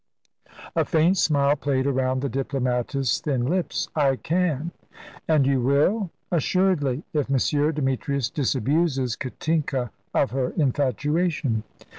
A faint smile played round the diplomatist's thin lips, "I can!" "And you will?" "Assuredly, if M. Demetrius disabuses Katinka of her infatuation."